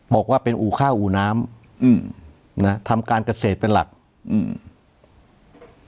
บอกว่าเป็นอู่ข้าวอู่น้ำอืมนะฮะทำการเกษตรเป็นหลักอืม